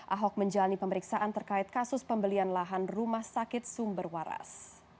ahok menjalani pemeriksaan terkait kasus pembelian lahan rumah sakit sumber waras